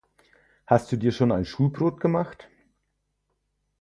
Hast du Dir schon ein Schulbrot gemacht?